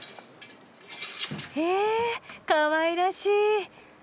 へえかわいらしい。